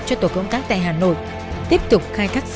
chủ tài khoản tên thật